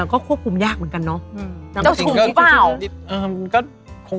พับเสร็จแล้วเรานัก